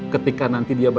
ketika nanti dia berubah